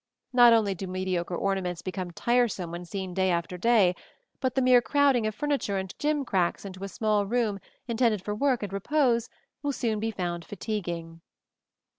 Not only do mediocre ornaments become tiresome when seen day after day, but the mere crowding of furniture and gimcracks into a small room intended for work and repose will soon be found fatiguing.